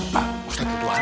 pak ustadz tuan